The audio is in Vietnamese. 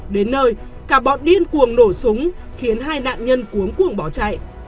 đến nơi cả bọn điên cuồng nổ súng khiến hai nạn nhân cuốn cuồng bỏ chạy